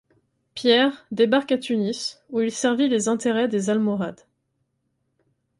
Pierre débarque à Tunis où il servit les intérêts des Almohades.